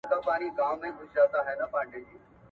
- میرنعمت الله حباب، ليکوال او څيړونکی.